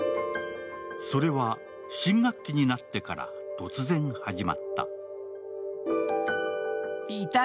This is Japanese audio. それは新学期になってから突然、始まった。